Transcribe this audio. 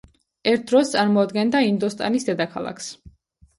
ერთ დროს წარმოადგენდა ინდოსტანის დედაქალაქს.